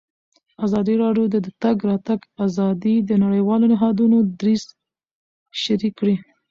ازادي راډیو د د تګ راتګ ازادي د نړیوالو نهادونو دریځ شریک کړی.